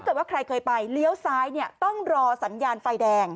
ว่าใครเคยไปเลี้ยวซ้ายเนี่ยต้องรอสัญญาณไฟแดง